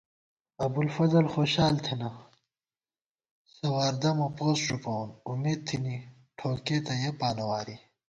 ابُوالفضل خوشال تھنہ سواردَمہ پوسٹ ݫُپَوون امېد تھنی ٹھوکېتہ یَہ پانہ واری